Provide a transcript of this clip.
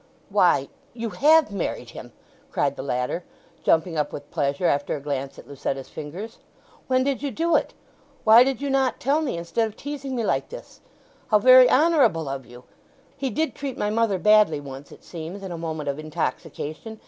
"Why, you have married him!" cried the latter, jumping up with pleasure after a glance at Lucetta's fingers. "When did you do it? Why did you not tell me, instead of teasing me like this? How very honourable of you! He did treat my mother badly once, it seems, in a moment of intoxication.